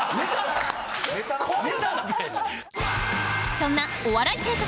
そんなお笑い帝国